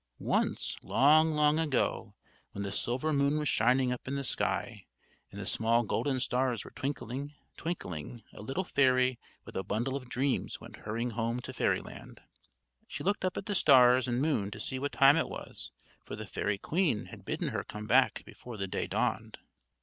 Once, long, long ago, when the silver moon was shining up in the sky, and the small golden stars were twinkling, twinkling, a little fairy with a bundle of dreams went hurrying home to fairyland. She looked up at the stars and moon to see what time it was, for the fairy queen had bidden her come back before the day dawned.